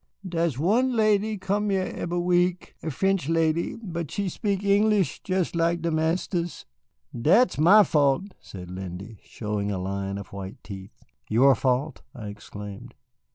"Dar's one lady come hyar ebery week, er French lady, but she speak English jes' like the Mistis. Dat's my fault," said Lindy, showing a line of white teeth. "Your fault," I exclaimed.